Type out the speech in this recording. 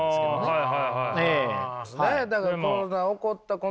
はい。